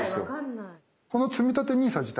このつみたてＮＩＳＡ自体ね